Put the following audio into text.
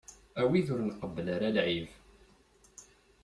A wid ur nqebbel ara lɛib.